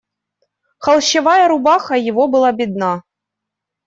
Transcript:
Холщовая рубаха его была бедна.